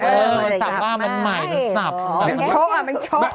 เออมันซับมากมันใหม่มันซับ